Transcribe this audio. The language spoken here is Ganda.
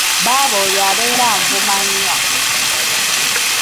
Baaba oyo abeera anvuma nnyo.